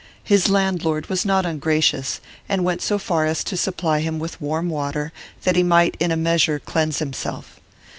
His landlord was not ungracious, and went so far as to supply him with warm water, that he might in a measure cleanse himself.